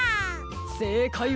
せいかいは。